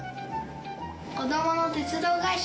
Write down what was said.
子供の鉄道会社。